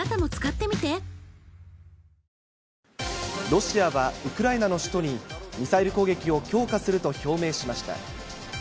ロシアはウクライナの首都に、ミサイル攻撃を強化すると表明しました。